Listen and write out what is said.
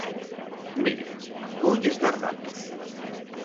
Mire, voulles dar datos.